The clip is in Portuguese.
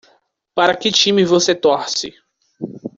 Para que time você torce?